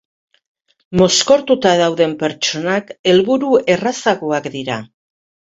Mozkortuta dauden pertsonak helburu errazagoak dira.